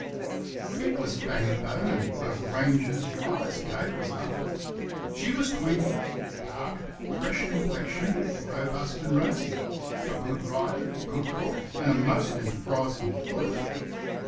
It was Fanny Bowman, of Ranger's Rise, Dave was after. She was twenty, dark, fresh complexioned, robust and rosy a good rider, good cook, and a most enterprising flirt.